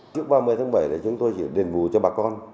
trước ba mươi tháng bảy thì chúng tôi chỉ đền bù cho bà con